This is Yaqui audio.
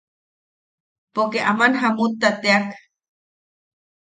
Poke aman jamutta teak.